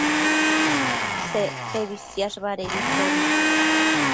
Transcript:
Sectebi siash badedi chobi